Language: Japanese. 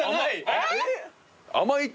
えっ？